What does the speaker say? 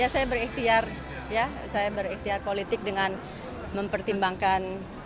saya berikhtiar politik dengan mempertimbangkan